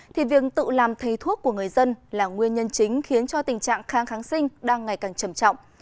thì việc tự làm thầy thuốc của người dân là nguyên nhân chính khiến cho tình trạng kháng kháng sinh đang ngày càng trầm trọng